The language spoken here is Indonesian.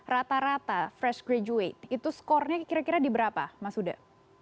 rata rata fresh graduate itu skornya kira kira di berapa mas huda